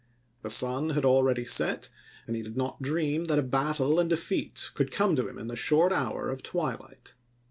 The sun had already set, and he ye*™/?^ did not dream that a battle and defeat could come ^fj£ to him in the short hour of twilight.